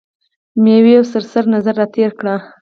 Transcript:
مې یو سرسري نظر را تېر کړ.